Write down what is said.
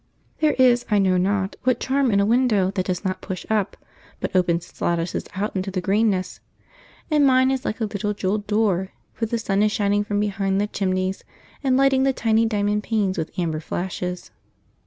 There is I know not what charm in a window that does not push up, but opens its lattices out into the greenness. And mine is like a little jewelled door, for the sun is shining from behind the chimneys and lighting the tiny diamond panes with amber flashes.